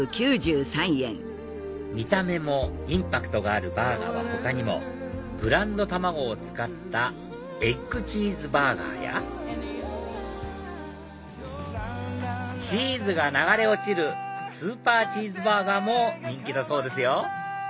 見た目もインパクトがあるバーガーは他にもブランド卵を使ったエッグチーズバーガーやチーズが流れ落ちるスーパーチーズバーガーも人気だそうですよ